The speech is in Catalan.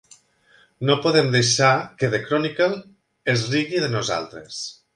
No podem deixar que "The Chronicle" es rigui de nosaltres!